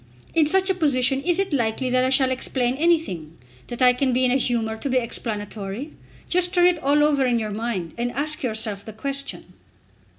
In such a position is it likely that I shall explain anything; that I can be in a humour to be explanatory? Just turn it all over in your mind, and ask yourself the question."